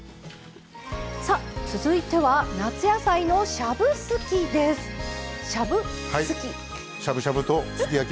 続いては夏野菜のしゃぶすきです。